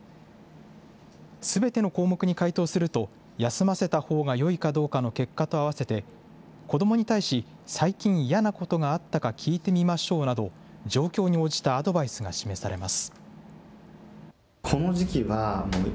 すべての項目に回答すると、休ませたほうがよいかどうかの結果と併せて、子どもに対し、最近嫌なことがあったか聞いてみましょうなど、状況に応じたアドバイスが示されます。